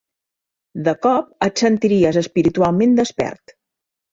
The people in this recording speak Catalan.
De cop et sentiries espiritualment despert.